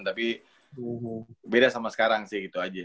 tapi beda sama sekarang sih gitu aja